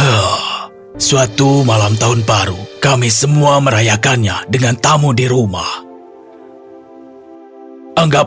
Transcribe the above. aku tidak pernah mendengarkan nasihatnya